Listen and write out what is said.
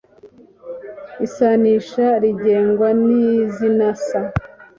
isanisha rigengwa n'izina saa